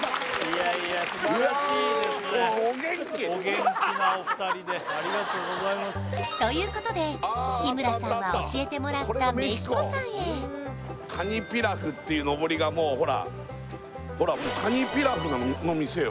どうもありがとうございましたということで日村さんは教えてもらったメヒコさんへカニピラフっていうのぼりがもうほらほらもうカニピラフの店よ